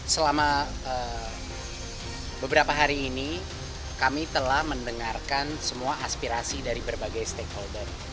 selama beberapa hari ini kami telah mendengarkan semua aspirasi dari berbagai stakeholder